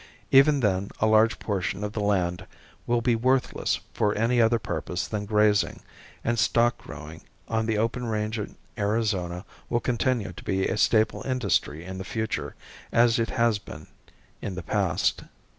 Even then a large portion of the land will be worthless for any other purpose than grazing, and stock growing on the open range in Arizona will continue to be a staple industry in the future as it has been in the past.